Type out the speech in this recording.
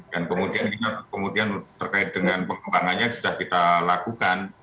dan kemudian terkait dengan pengembangannya sudah kita lakukan